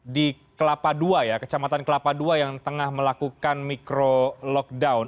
di kelapa dua ya kecamatan kelapa dua yang tengah melakukan micro lockdown